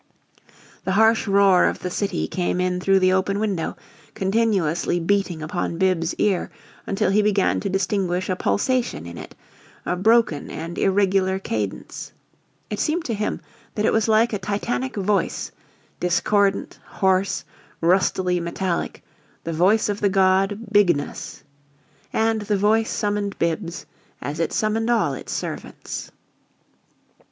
The harsh roar of the city came in through the open window, continuously beating upon Bibbs's ear until he began to distinguish a pulsation in it a broken and irregular cadence. It seemed to him that it was like a titanic voice, discordant, hoarse, rustily metallic the voice of the god, Bigness. And the voice summoned Bibbs as it summoned all its servants.